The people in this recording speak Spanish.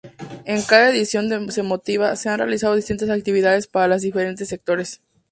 En cada edición de motiva, se han realizado distintas actividades para los diferentes sectores.